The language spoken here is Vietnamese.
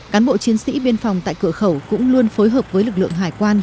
cán bộ chiến sĩ biên phòng tại cửa khẩu cũng luôn phối hợp với lực lượng hải quan